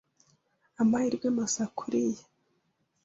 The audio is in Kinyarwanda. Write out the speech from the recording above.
Amahirwe masa kuriya.